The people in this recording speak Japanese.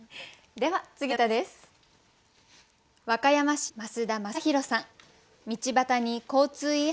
では次の歌です。